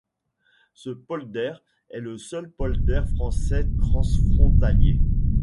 Ce polder est le seul polder français transfrontalier.